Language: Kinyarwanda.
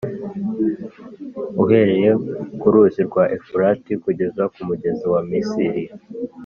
uhereye ku ruzi rwa Efurati kugeza ku mugezi wa Misiri.